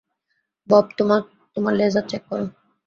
Bob, তোমার ledger check করো।